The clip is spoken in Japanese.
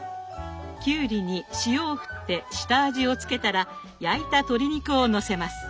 きゅうりに塩をふって下味をつけたら焼いた鶏肉をのせます。